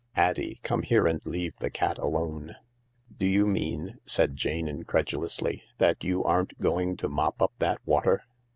" Addie, come here and leave the cat alone." "Do you mean," said Jane incredulously, "that you aren't going to mop up that water